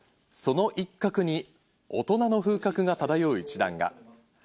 その一角に大人の風格が漂う一団が。